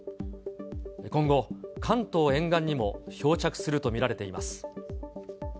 今後、関東沿岸にも漂着すると見られています。